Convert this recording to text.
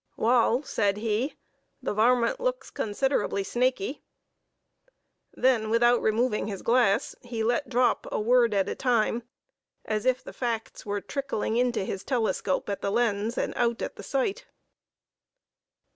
"Wal," said he, "the varmint looks considerably snaky." Then, without moving his glass, he let drop a word at a time, as if the facts were trickling into his telescope at the lens, and out at the sight.